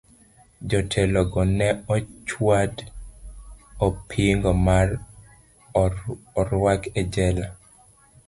Jotelo go ne ochwad opingo ma orwak e jela.